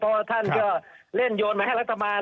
เพราะว่าท่านก็เล่นโยนมาให้รัฐบาล